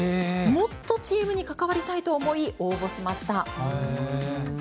もっとチームに関わりたいと思い応募しました。